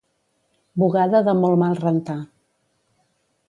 Bugada de molt mal rentar.